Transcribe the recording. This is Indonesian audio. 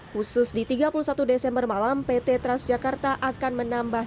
khusus di tiga puluh satu desember malam pt transjakarta akan menambah